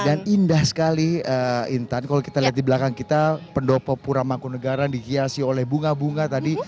dan indah sekali intan kalau kita lihat di belakang kita pendopo puramangkunegara dihiasi oleh bunga bunga tadi